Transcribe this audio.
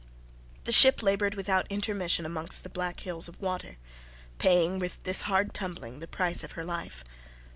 The ship laboured without intermission amongst the black hills of water, paying with this hard tumbling the price of her life.